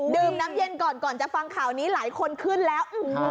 ดื่มน้ำเย็นก่อนก่อนจะฟังข่าวนี้หลายคนขึ้นแล้ว